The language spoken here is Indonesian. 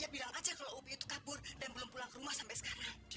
ya bilang aja kalau itu kabur dan belum pulang rumah sampai sekarang